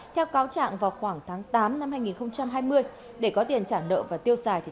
theo cáo trạng vào khoảng tháng tám năm hai nghìn hai mươi để có tiền trả nợ và tiêu xài